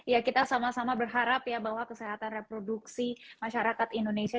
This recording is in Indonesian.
ya kita sama sama berharap ya bahwa kesehatan reproduksi masyarakat indonesia